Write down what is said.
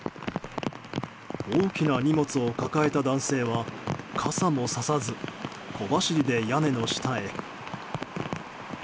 大きな荷物を抱えた男性は傘もささず小走りで、屋根の下へ。